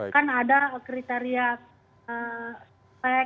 kan ada kriteria spek